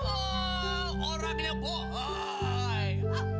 oh orangnya bohoi